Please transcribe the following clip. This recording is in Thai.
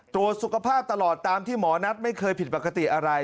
ตรวจสุขภาพตลอดตามที่หมอนัทไม่เคยผิดปกติอะไร